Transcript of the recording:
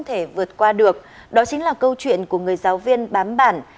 câu chuyện không thể vượt qua được đó chính là câu chuyện của người giáo viên bám bản